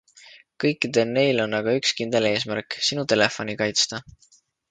Kõikidel neil on aga üks kindel eesmärk - Sinu telefoni kaitsta.